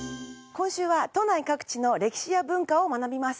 今週は都内各地の歴史や文化を学びます。